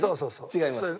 違います。